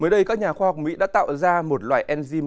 mới đây các nhà khoa học mỹ đã tạo ra một loại enzym